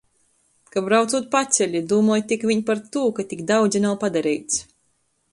Ka, braucūt paceli, dūmoj tik viņ par tū, ka tik daudzi nav padareits.